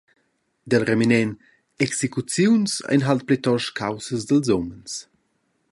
Dil reminent: execuziuns ein halt plitost caussa dils umens.»